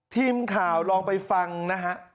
ทีมข่าวลองไปฟังนะฮะ